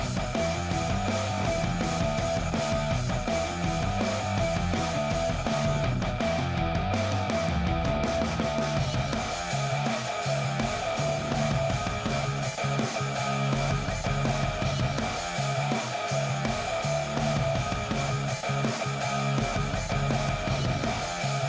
สวัสดีค่ะสวัสดีค่ะ